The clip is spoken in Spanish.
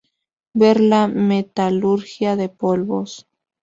Ver la metalurgia de polvos.